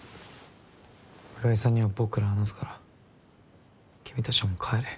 浦井さんには僕から話すから君たちはもう帰れ。